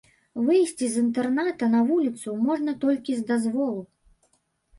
Выйсці з інтэрната на вуліцу можна толькі з дазволу.